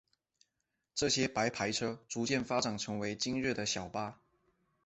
这些白牌车逐渐发展成为今日的小巴。